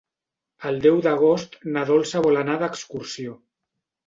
El deu d'agost na Dolça vol anar d'excursió.